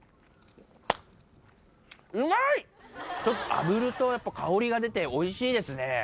ちょっとあぶるとやっぱ香りが出ておいしいですね。